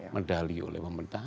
medali oleh pemerintah